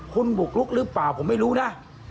คุณบุกลุกหรือเปล่าผมไม่รู้นะ